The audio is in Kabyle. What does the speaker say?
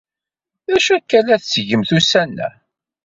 D acu akka ay la tettgemt ussan-a?